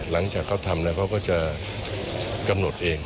หลังจากเขาทำแล้วเขาก็จะกำหนดเอง